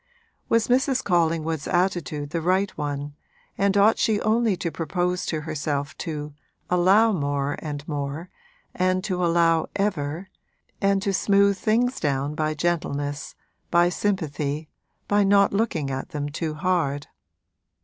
Was Mrs. Collingwood's attitude the right one and ought she only to propose to herself to 'allow' more and more, and to allow ever, and to smooth things down by gentleness, by sympathy, by not looking at them too hard?